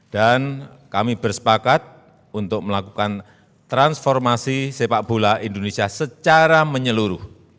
dan kami bersepakat untuk melakukan transformasi sepak bola indonesia secara menyeluruh